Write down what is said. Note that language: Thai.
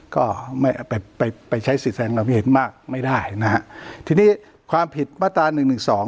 ก็ไม่เอาไปไปไปใช้สิทธิ์แสดงความคิดเห็นมากไม่ได้นะฮะทีนี้ความผิดมาตราหนึ่งหนึ่งสอง